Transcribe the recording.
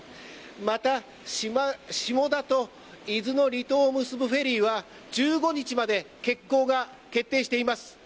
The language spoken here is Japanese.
また、下田と伊豆の離島を結ぶフェリーは１５日まで欠航が決定しています。